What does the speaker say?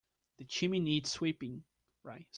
The chimney needs sweeping.